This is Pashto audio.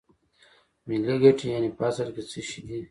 ملي ګټې یانې په اصل کې څه شی دي